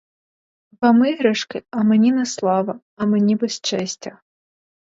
Вам іграшки, а мені неслава, а мені безчестя.